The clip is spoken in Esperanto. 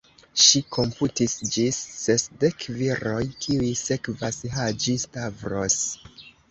Ŝi komputis ĝis sesdek viroj, kiuj sekvas Haĝi-Stavros.